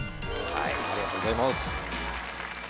ありがとうございます。